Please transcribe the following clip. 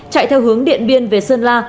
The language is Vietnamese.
chạy theo hướng điện biên về sơn la